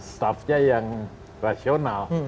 staffnya yang rasional